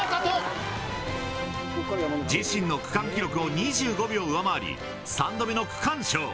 自身の区間記録を２５秒上回り、３度目の区間賞。